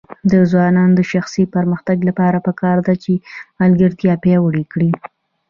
د ځوانانو د شخصي پرمختګ لپاره پکار ده چې ملګرتیا پیاوړې کړي.